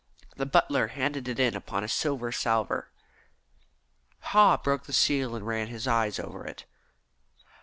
The butler handed it in upon a silver salver. Haw broke the seal and ran his eye over it.